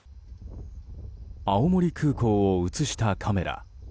青森空港を映したカメラ。